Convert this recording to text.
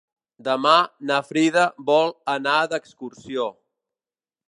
Demà na Frida vol anar d'excursió.